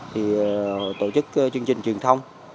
thì tổ chức chương trình truyền thông